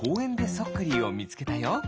そっクリーをみつけたよ。